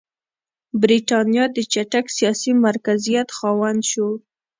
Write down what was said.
برېټانیا د چټک سیاسي مرکزیت خاونده شوه.